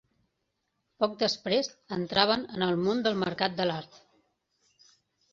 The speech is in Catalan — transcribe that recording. Poc després entraven en el món del mercat de l'art.